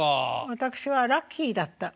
私はラッキーだった。